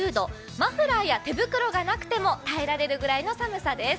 マフラーや手袋がなくても耐えられる寒さです。